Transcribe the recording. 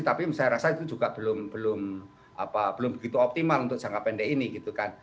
tapi saya rasa itu juga belum begitu optimal untuk jangka pendek ini gitu kan